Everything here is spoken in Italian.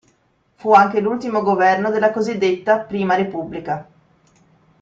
Fu anche l'ultimo governo della cosiddetta prima repubblica.